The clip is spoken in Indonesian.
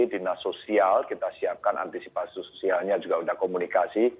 dinas sosial kita siapkan antisipasi sosialnya juga sudah komunikasi